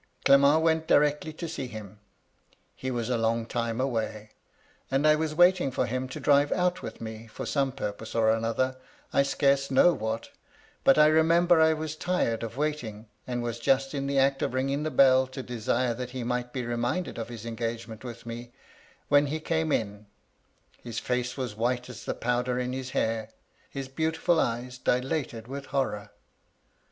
Clement went directly to see him. He was a long time away, and I was waiting for him to drive out with me, for some purpose or another, I scarce know what, but I remember I was tired of waiting, and was just in the act of ringing the bell to desire that he might be reminded of his engagement with me, when he came in, his fiice as white as the powder in his hair, his beautiful eyes dilated with horror.